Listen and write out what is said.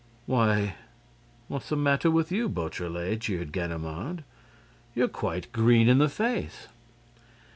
"Why, what's the matter with you, Beautrelet?" jeered Ganimard. "You're quite green in the face!"